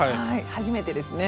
初めてですね。